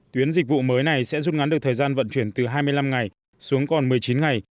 tuyến dịch vụ mới này sẽ rút ngắn được thời gian vận chuyển từ hai mươi năm ngày xuống còn một mươi chín ngày